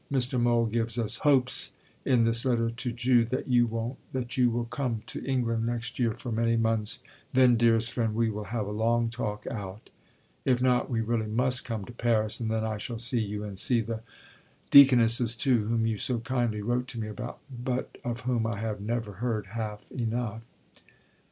M. Mohl gives us hopes, in his letter to Ju, that you won't, that you will come to England next year for many months, then, dearest friend, we will have a long talk out. If not, we really must come to Paris and then I shall see you, and see the Deaconesses too, whom you so kindly wrote to me about, but of whom I have never heard half enough....